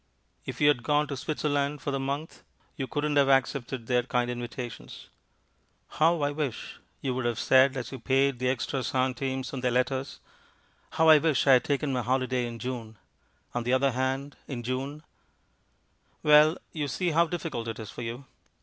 If you had gone to Switzerland for the month, you couldn't have accepted their kind invitations. "How I wish," you would have said as you paid the extra centimes on their letters, "how I wish I had taken my holiday in June." On the other hand, in June Well, you see how difficult it is for you.